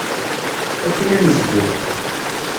Akken ad nezdel.